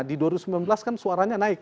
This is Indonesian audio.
di dua ribu sembilan belas kan suaranya naik